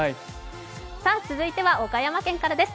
続いては岡山県からです。